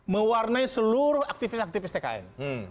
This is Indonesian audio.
mewarnai seluruh aktivis aktivis tkn